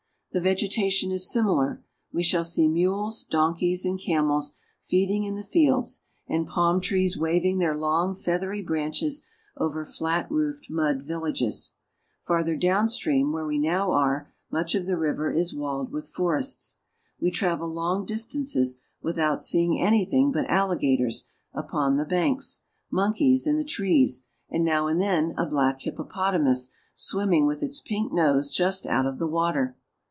The vegetation is similar ; we ^^H shail see mules, donkeys, and camels feeding in the flelds, ^^^1 and palm trees waving their long feathery branches over ^^^H flat roofed mud villages. ^^V Farther downstream, where we now are, much of the J^^ river is walled with forests. We travel long distances with out seeing anything but alligators upon the banks, mon keys in the trees, and, now and then, a black hippopotamus swimming with its pink nose just out of the water.